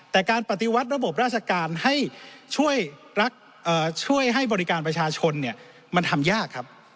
แต่การปฏิวัติระบบราชการให้ช่วยให้บริการประชาชนเนี่ยมันทำยากครับ